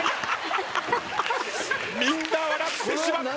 みんな笑ってしまった。